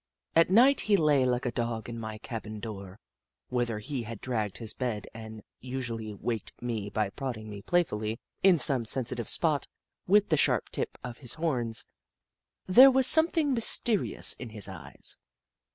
At night he lay like a dog in my cabin door, whither he had dragged his bed, and usually waked me by prodding me playfully, in some sensitive spot, with the sharp tip of one of his horns. There was something mysterious in his eyes.